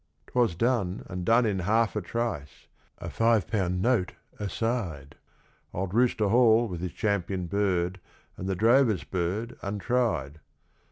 'Twas done, and done in a half a trice; a five pound note aside; Old Rooster Hall, with his champion bird, and the drover's bird untried.